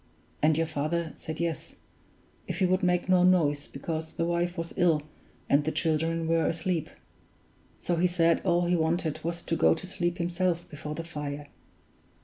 And your father said yes, if he would make no noise, because the wife was ill, and the children were asleep. So he said all he wanted was to go to sleep himself before the fire.